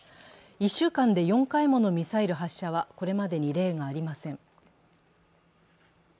１週間で４回ものミサイル発射はこれまでに例がありません。